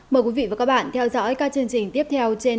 mời quý vị và các bạn theo dõi các chương trình tiếp theo trên antv